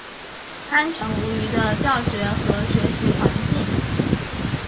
安全无虞的教学和学习环境